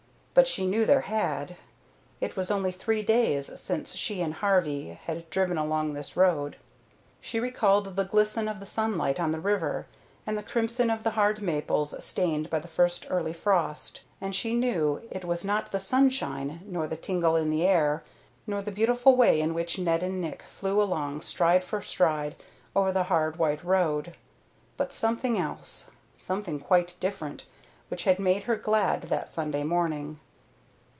But she knew there had; it was only three days since she and Harvey had driven along this road. She recalled the glisten of the sunlight on the river, and the crimson of the hard maples stained by the first early frost, and she knew it was not the sunshine nor the tingle in the air nor the beautiful way in which Ned and Nick flew along stride for stride over the hard white road, but something else, something quite different, which had made her glad that Sunday morning.